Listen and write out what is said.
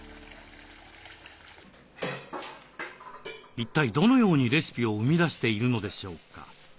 一体どのようにレシピを生み出しているのでしょうか？